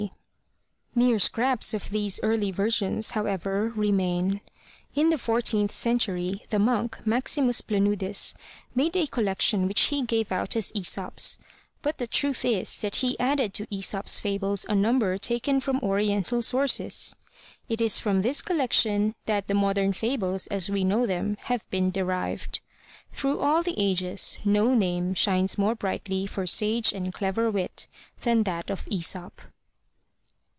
D. Mere scraps of these early versions, how ever, remain. In the fourteenth century, the monk Maximus Planudes made a collection which he gave out as Aesop's, but the truth is that he added to Aesop's fables a number taken from oriental sources. It is from this collection that the modern fables, as we know them, have been derived. Through all the ages no name shines more brightly for sage and clever wit than that of Aesop.